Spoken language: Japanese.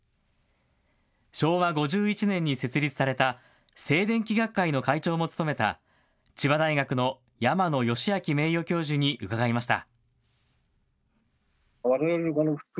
昭和５１年に設立された静電気学会の会長も務めた千葉大学の山野芳昭名誉教授に伺いました。